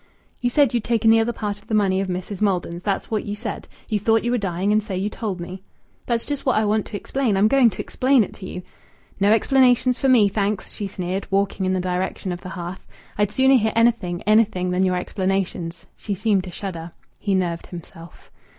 "You said you'd taken the other part of the money of Mrs. Maldon's that's what you said. You thought you were dying, and so you told me." "That's just what I want to explain. I'm going to explain it to you." "No explanations for me, thanks!" she sneered, walking in the direction of the hearth. "I'd sooner hear anything, anything, than your explanations." She seemed to shudder. He nerved himself.